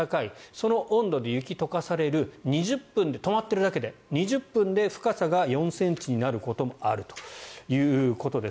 その温度で雪が解かされる止まっているだけで２０分で深さが４ｃｍになることもあるということです。